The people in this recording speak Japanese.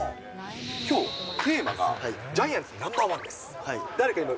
きょう、テーマは、ジャイアンツＮｏ．１です。